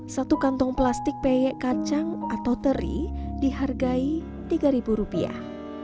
satu kantong plastik peyek kacang atau teri dihargai tiga ribu rupiah